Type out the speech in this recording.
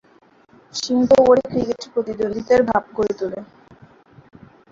সীমিত ওভারে ক্রিকেটে প্রতিদ্বন্দ্বিতার ভাব গড়ে তুলে।